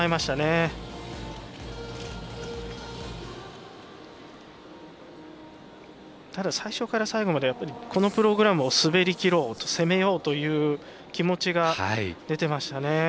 ただ、最初から最後までこのプログラムを滑りきろう攻めようという気持ちが出ていましたね。